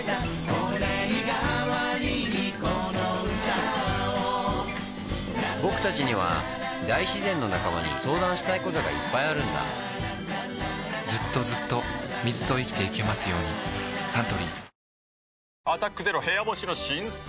御礼がわりにこの歌をぼくたちには大自然の仲間に相談したいことがいっぱいあるんだずっとずっと水と生きてゆけますようにサントリー「アタックＺＥＲＯ部屋干し」の新作。